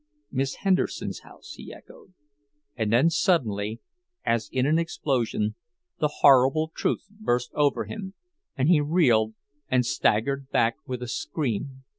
"Miss Henderson's house," he echoed. And then suddenly, as in an explosion, the horrible truth burst over him, and he reeled and staggered back with a scream.